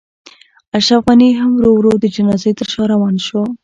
اشرف خان هم ورو ورو د جنازې تر شا روان شو.